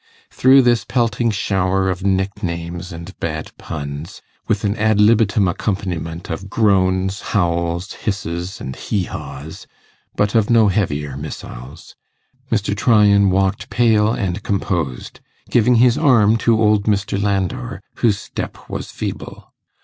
Through this pelting shower of nicknames and bad puns, with an ad libitum accompaniment of groans, howls, hisses, and hee haws, but of no heavier missiles, Mr. Tryan walked pale and composed, giving his arm to old Mr. Landor, whose step was feeble.